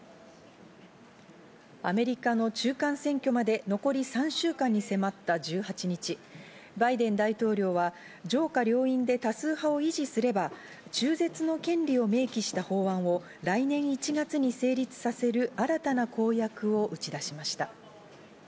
アメリカの中間選挙まで残り３週間に迫った１８日、バイデン大統領は上下両院で多数派を維持すれば中絶の権利を明記した法案を来年１月に成立させる新たな公約を打ち出しました。